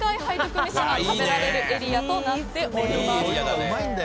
めしが食べられるエリアとなっています。